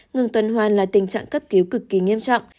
ngừng tuần hoàn là tình trạng cấp cứu cực kỳ nghiêm trọng